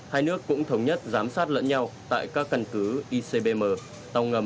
hai nước cũng thống nhất giám sát lẫn nhau tại các căn cứ icbm tàu ngầm và căn cứ không quân